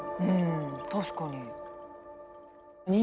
うん確かに。